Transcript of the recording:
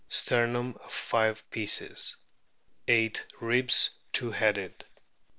Sternum of five pieces. Eight ribs two headed.